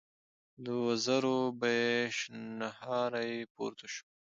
له وزرو به يې شڼهاری پورته شو.